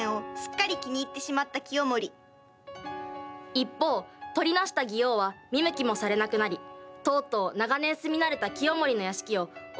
一方取りなした王は見向きもされなくなりとうとう長年住み慣れた清盛の屋敷を追い出されてしまいました。